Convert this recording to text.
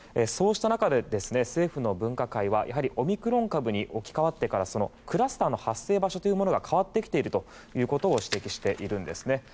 そうした中で、政府の分科会はやはりオミクロン株に置き換わってからクラスターの発生場所というのが変わってきているということを指摘しているんです。